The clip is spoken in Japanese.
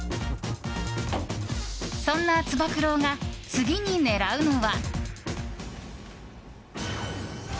そんなつば九郎が次に狙うのは。